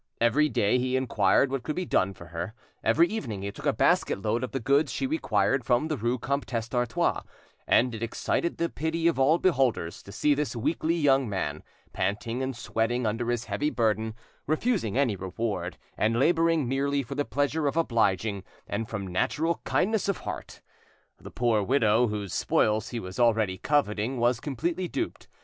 Every day he inquired what could be done for her, every evening he took a basket load of the goods she required from the rue Comtesse d'Artois; and it excited the pity of all beholders to see this weakly young man, panting and sweating under his heavy burden, refusing any reward, and labouring merely for the pleasure of obliging, and from natural kindness of heart! The poor widow, whose spoils he was already coveting, was completely duped.